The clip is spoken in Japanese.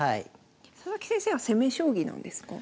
佐々木先生は攻め将棋なんですか？